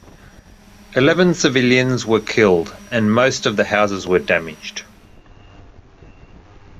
Eleven civilians were killed and most of the houses were damaged.